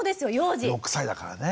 ６歳だからね。